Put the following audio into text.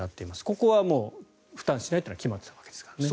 ここはもう負担しないというのは決まってたわけですからね。